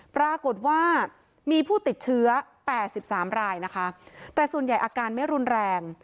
ปรากฏว่ามีผู้ติดเชื้อ๘๓รายนะคะแต่ส่วนใหญ่อาการไม่รุนแรง